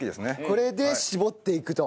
これで搾っていくと。